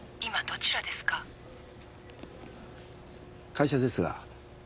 会社ですが。